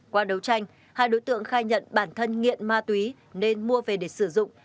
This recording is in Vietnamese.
qua đấu tranh hai đối tượng khai nhận bản thân nghiện ma túy nên mua về để sử dụng